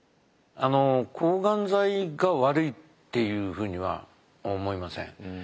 抗がん剤が悪いっていうふうには思いません。